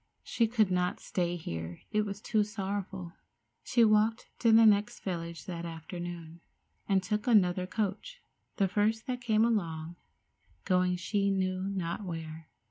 She could not stay here; it was too sorrowful. She walked to the next village that afternoon, and took another coach, the first that came along, going she knew not where.